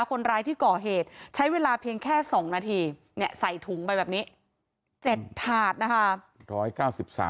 คนร้ายที่ก่อเหตุใช้เวลาเพียงแค่๒นาทีใส่ถุงไปแบบนี้๗ถาดนะคะ